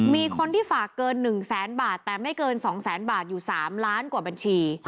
มีคนที่ฝากเกิน๑แสนบาทแต่ไม่เกิน๒แสนบาทอยู่๓ล้านกว่าบัญชี